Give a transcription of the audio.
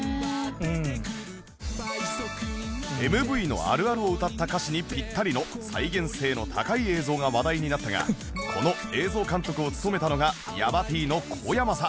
ＭＶ のあるあるを歌った歌詞にピッタリの再現性の高い映像が話題になったがこの映像監督を務めたのがヤバ Ｔ のこやまさん